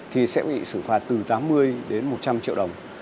thì sẽ bị xử phạt từ tám mươi đến một trăm linh triệu đồng